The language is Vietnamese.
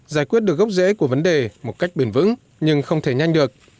giải quyết được gốc rễ của vấn đề một cách bền vững nhưng không thể nhanh được